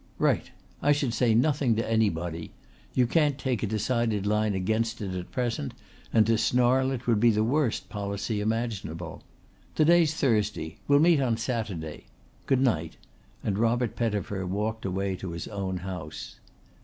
"Right. I should say nothing to anybody. You can't take a decided line against it at present and to snarl would be the worst policy imaginable. To day's Thursday. We'll meet on Saturday. Good night," and Robert Pettifer walked away to his own house.